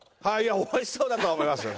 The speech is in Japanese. おいしそうだとは思いますよ